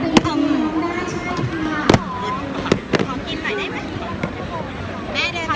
ขอบคุณนะอาชั้นค่ะ